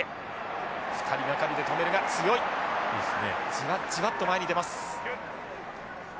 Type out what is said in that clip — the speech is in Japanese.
じわっじわっと前に出ます。